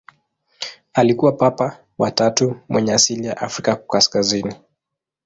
Alikuwa Papa wa tatu mwenye asili ya Afrika kaskazini.